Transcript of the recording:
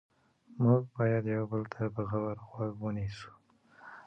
موږ باید یو بل ته په غور غوږ ونیسو